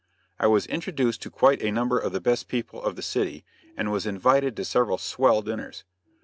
I was introduced to quite a number of the best people of the city, and was invited to several "swell" dinners.